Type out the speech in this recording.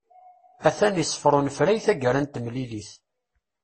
Atan iṣeffer unefray taggara n temlilit.